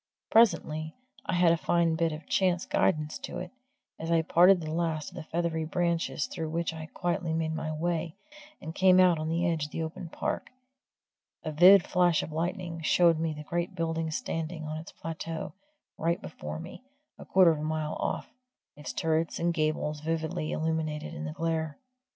Presently I had a fine bit of chance guidance to it as I parted the last of the feathery branches through which I had quietly made my way, and came out on the edge of the open park, a vivid flash of lightning showed me the great building standing on its plateau right before me, a quarter of a mile off, its turrets and gables vividly illuminated in the glare.